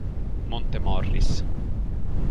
Monte Morris